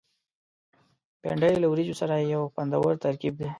بېنډۍ له وریجو سره یو خوندور ترکیب دی